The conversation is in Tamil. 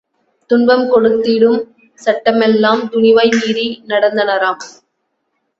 துன்பம் கொடுத்திடும் சட்டமெலாம் துணிவாய் மீறி நடந்தனராம்.